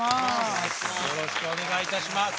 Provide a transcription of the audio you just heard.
よろしくお願いします。